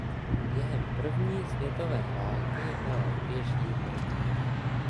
Během první světové války velel pěší brigádě.